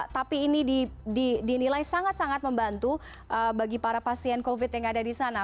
tapi ini dinilai sangat sangat membantu bagi para pasien covid yang ada di sana